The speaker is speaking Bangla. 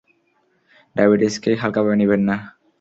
ডায়াবেটিসকে হালকাভাবে নিবেন না।